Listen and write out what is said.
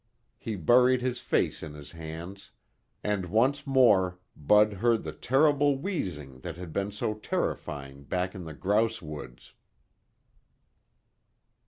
He buried his face in his hands, and once more Bud heard the terrible wheezing that had been so terrifying back in the grouse woods.